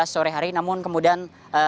tujuh belas sore hari namun kemudian